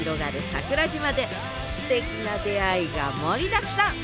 桜島ですてきな出会いが盛りだくさん！